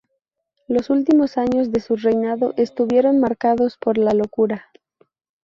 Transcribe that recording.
Los últimos años de su reinado estuvieron marcados por la locura.